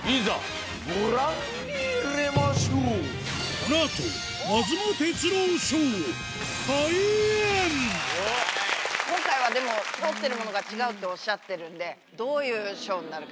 この後今回はでも背負ってるものが違うっておっしゃってるんでどういうショーになるか。